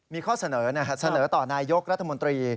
มีข้อเสนอเสนอต่อนายกรัฐมนตรี